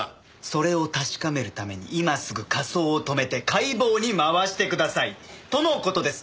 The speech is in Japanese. それを確かめるために今すぐ火葬を止めて解剖に回してください。との事です。